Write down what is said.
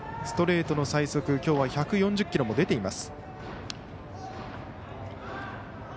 ストレートの最速きょうは１４０キロも出ています。